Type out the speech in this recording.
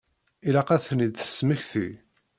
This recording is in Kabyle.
Ilaq ad ten-id-tesmekti.